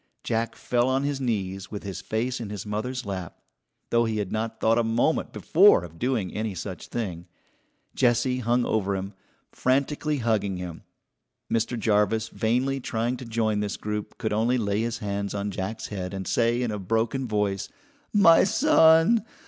Jack fell on his knees with his face in his mother's lap, though he had not thought a moment before of doing any such thing. Jessie hung over him, frantically hugging him. Mr. Jarvis, vainly trying to join this group, could only lay his hands on Jack's head and say in a broken voice: "My son!